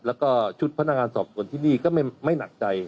แล้วก็ชุดพนักงานสอบส่วนที่นี่ก็ไม่หนักใจ